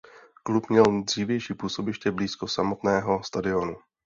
Klub měl dřívější působiště blízko samotného stadionu.